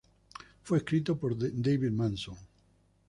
Fue escrito por David Manson.